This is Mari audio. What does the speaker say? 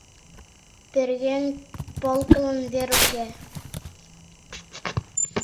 — Пӧръеҥ полкылан вер уке!